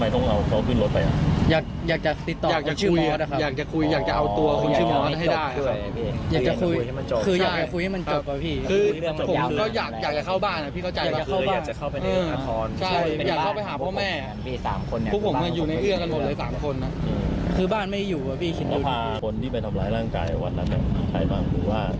ทุกคนไม่ทุกคนครับมีเนี่ยพี่สามคนครับ